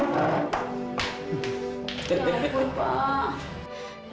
ya ampun pak